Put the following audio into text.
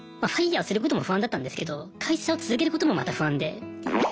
ＦＩＲＥすることも不安だったんですけど会社を続けることもまた不安で。